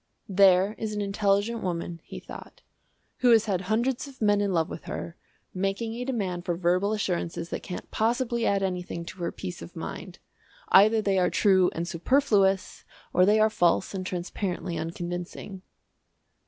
"There is an intelligent woman," he thought, "who has had hundreds of men in love with her, making a demand for verbal assurances that can't possibly add anything to her peace of mind. Either they are true and superfluous, or they are false and transparently unconvincing."